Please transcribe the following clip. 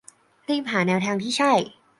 รีบหาแนวทางที่ใช่